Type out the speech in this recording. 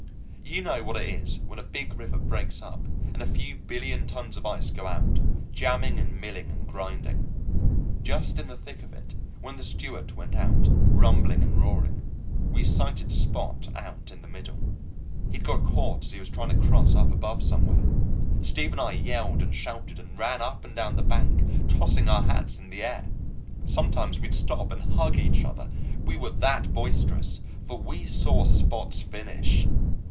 You know what it is when a big river breaks up and a few billion tons of ice go out, jamming and milling and grinding. Just in the thick of it, when the Stewart went out, rumbling and roaring, we sighted Spot out in the middle. He'd got caught as he was trying to cross up above somewhere. Steve and I yelled and shouted and ran up and down the bank, tossing our hats in the air. Sometimes we'd stop and hug each other, we were that boisterous, for we saw Spot's finish.